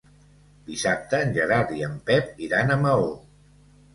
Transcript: Dissabte en Gerard i en Pep iran a Maó.